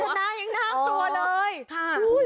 เห็นคุณชนะยังน่ากลัวเลย